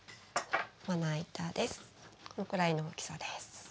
このくらいの大きさです。